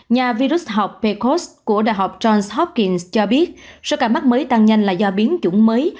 nhà virus học pecos của đh johns hopkins cho biết số ca mắc mới tăng nhanh là do biến chủng mới